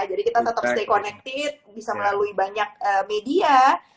jadi kita tetap stay connected bisa melalui banyak media